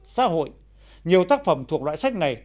xã hội nhiều tác phẩm thuộc loại sách này